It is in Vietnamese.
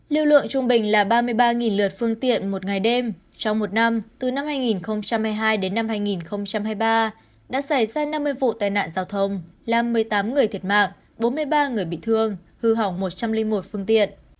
lưu lượng trung bình là ba mươi ba lượt phương tiện một ngày đêm trong một năm từ năm hai nghìn hai mươi hai đến năm hai nghìn hai mươi ba đã xảy ra năm mươi vụ tai nạn giao thông làm một mươi tám người thiệt mạng bốn mươi ba người bị thương hư hỏng một trăm linh một phương tiện